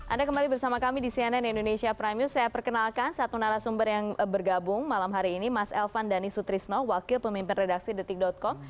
anda kembali bersama kami di cnn indonesia prime news saya perkenalkan satu narasumber yang bergabung malam hari ini mas elvan dhani sutrisno wakil pemimpin redaksi detik com